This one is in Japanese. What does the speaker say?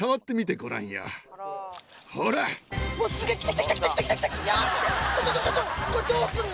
これどうすんの？